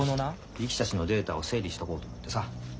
力士たちのデータを整理しとこうと思ってさ。